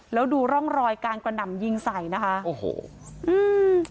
แล้วดูร่องรอยการกระหน่ำยิงใส่นะคะโอ้โหอืม